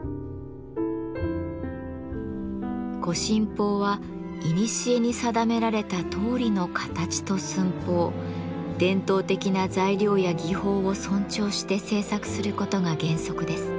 御神宝はいにしえに定められたとおりの形と寸法伝統的な材料や技法を尊重して制作することが原則です。